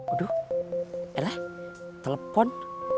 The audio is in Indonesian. aduh elah telepon